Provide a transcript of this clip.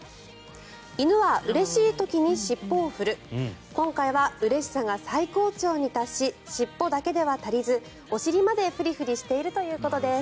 犬はうれしい時に尻尾を振る今回はうれしさが最高潮に達し尻尾だけでは足りずお尻までフリフリしているということです。